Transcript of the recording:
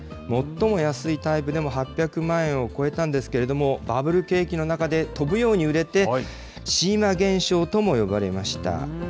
最も安いタイプでも８００万円を超えたんですけれども、バブル景気の中で飛ぶように売れて、シーマ現象とも呼ばれました。